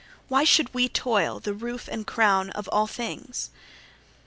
Why should we only toil, the roof and crown of things?